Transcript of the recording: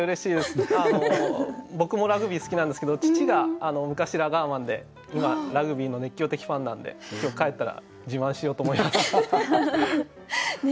僕もラグビー好きなんですけど父が昔ラガーマンで今ラグビーの熱狂的ファンなんで今日帰ったら自慢しようと思います。